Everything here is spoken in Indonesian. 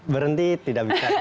berhenti tidak bisa